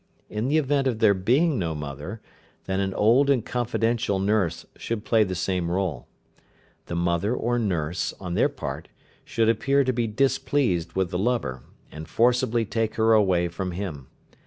In the event of there being no mother, then an old and confidential nurse should play the same role. The mother or nurse, on their part, should appear to be displeased with the lover, and forcibly take her away from him.